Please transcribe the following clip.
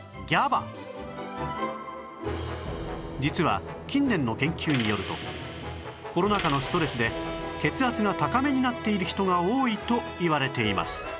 実は近年の研究によるとコロナ禍のストレスで血圧が高めになっている人が多いといわれています